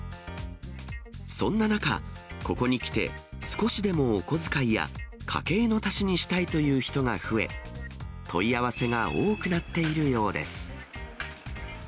そんな中、ここに来て、少しでもおこづかいや家計の足しにしたいという人が増え、問い合わせが多くなっているようです。